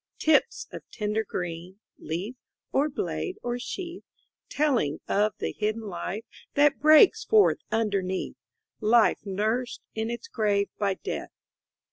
Tips of tender green, Leaf, or blade, or sheath; Telling of the hidden life That breaks forth underneath, Life nursed in its grave by Death.